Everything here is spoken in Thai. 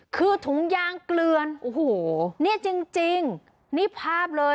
คือถุงยางเกลือนโอ้โหเนี่ยจริงจริงนี่ภาพเลย